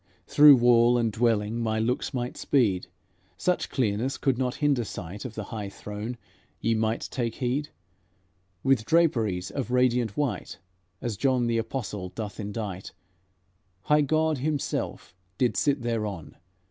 Through wall and dwelling my looks might speed, Such clearness could not hinder sight. Of the high throne ye might take heed, With draperies of radiant white, As John the Apostle doth endite; High God Himself did sit thereon.